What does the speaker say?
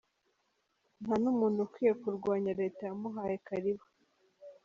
Nta n’ umuntu ukwiye kurwanya Leta yamuhaye karibu”.